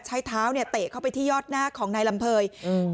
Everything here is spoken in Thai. ใช้เท้าเนี่ยเตะเข้าไปที่ยอดหน้าของนายลำเภยอืม